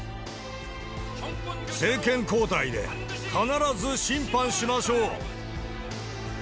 政権交代で必ず審判しましょう！